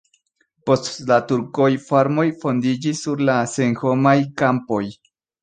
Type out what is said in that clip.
Post la turkoj farmoj fondiĝis sur la senhomaj kampoj.